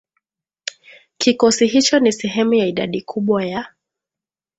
Kikosi hicho ni sehemu ya idadi kubwa ya